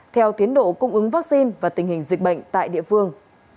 theo tiến độ cung ứng vaccine và tình hình dịch bệnh tại địa phương